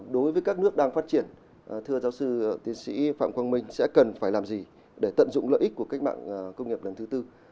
đối với các nước đang phát triển thưa giáo sư tiến sĩ phạm quang minh sẽ cần phải làm gì để tận dụng lợi ích của cách mạng công nghiệp lần thứ tư